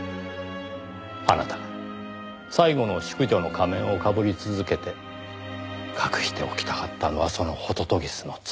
あなたが最後の淑女の仮面をかぶり続けて隠しておきたかったのはその杜鵑の罪。